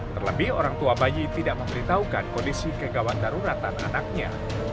terlebih orang tua bayi tidak memberitahukan kondisi kegawat daruratan anaknya